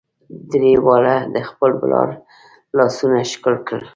درې واړو د خپل پلار لاسونه ښکل کړل.